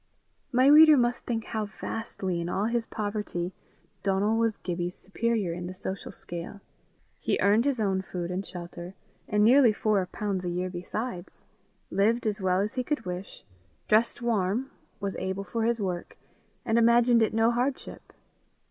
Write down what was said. My reader must think how vastly, in all his poverty, Donal was Gibbie's superior in the social scale. He earned his own food and shelter, and nearly four pounds a year besides; lived as well as he could wish, dressed warm, was able for his work, and imagined it no hardship.